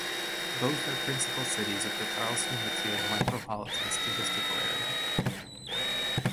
Both are principal cities of the Charleston-Mattoon Micropolitan Statistical Area.